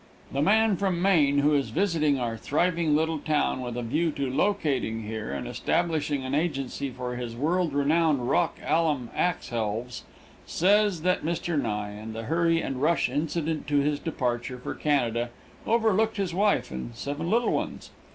The man from Maine, who is visiting our thriving little town with a view to locating here and establishing an agency for his world renowned rock alum axe helves, says that Mr. Nye, in the hurry and rush incident to his departure for Canada, overlooked his wife and seven little ones.